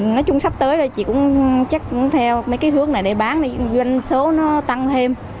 nói chung sắp tới chị cũng chắc theo mấy cái hướng này để bán doanh số nó tăng thêm